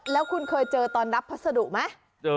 แล้วคุณเคยเจอตอนรับพัสดุไหม